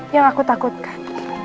yang aku takutkan